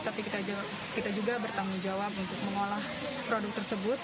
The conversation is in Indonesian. tapi kita juga bertanggung jawab untuk mengolah produk tersebut